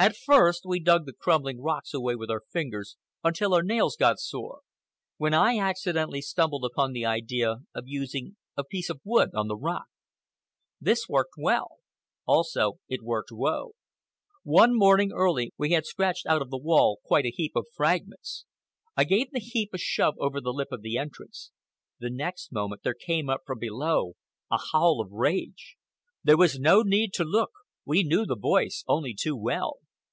At first we dug the crumbling rocks away with our fingers, until our nails got sore, when I accidentally stumbled upon the idea of using a piece of wood on the rock. This worked well. Also it worked woe. One morning early, we had scratched out of the wall quite a heap of fragments. I gave the heap a shove over the lip of the entrance. The next moment there came up from below a howl of rage. There was no need to look. We knew the voice only too well.